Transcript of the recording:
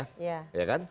gak tahu nih makanya